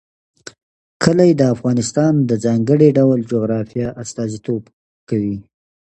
کلي د افغانستان د ځانګړي ډول جغرافیه استازیتوب کوي.